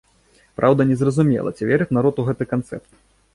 Праўда, незразумела, ці верыць народ у гэты канцэпт?